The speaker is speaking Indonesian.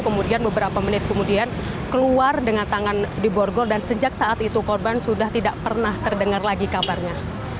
kemudian beberapa menit kemudian keluar dengan tangan di borgol dan sejak saat itu korban sudah tidak pernah terdengar lagi kabarnya